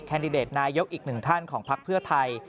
ดิเดตนายกอีกหนึ่งท่านของพักเพื่อไทย